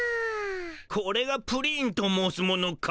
これがプリンと申すものか。